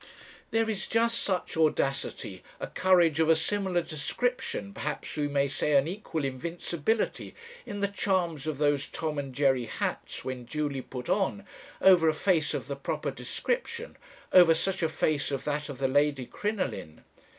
"There is just such audacity, a courage of a similar description, perhaps we may say an equal invincibility, in the charms of those Tom and Jerry hats when duly put on, over a face of the proper description over such a face as that of the Lady Crinoline.